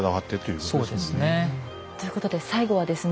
そうですね。ということで最後はですね